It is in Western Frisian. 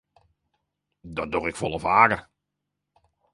Dat doch ik folle faker.